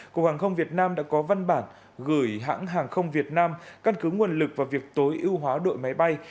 cục hàng không việt nam đã có văn bản gửi hãng hàng không việt nam căn cứ nguồn lực và việc tối ưu hóa đội máy bay